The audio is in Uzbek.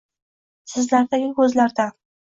Sizlardagi ko‘zlardan.